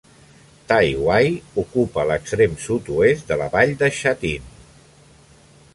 Tai Wai ocupa l'extrem sud-oest de la vall de Sha Tin.